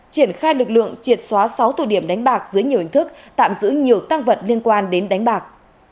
triển khai lực lượng triệt xóa sáu tụ điểm đánh bạc dưới nhiều hình thức tạm giữ nhiều tăng vật liên quan đến đánh bạc